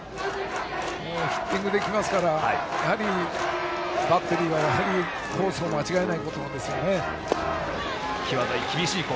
ヒッティングで来ますからバッテリーはコースを間違えないことですね。